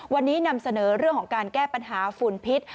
วันนี้นำเสนอเรื่องของการแก้ปัญหาฝุ่นพิษ